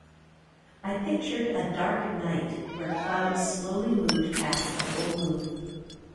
I pictured a dark night where clouds slowly moved past a full moon.